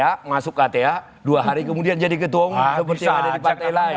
ya masuk kta dua hari kemudian jadi ketua umum yang ada di partai lain